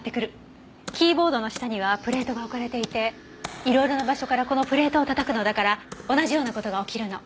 キーボードの下にはプレートが置かれていて色々な場所からこのプレートを叩くのだから同じような事が起きるの。